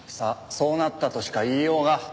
そうなったとしか言いようが。